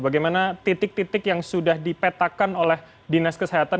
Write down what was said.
bagaimana titik titik yang sudah dipetakan oleh dinas kesehatan